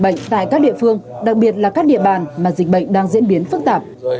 bệnh tại các địa phương đặc biệt là các địa bàn mà dịch bệnh đang diễn biến phức tạp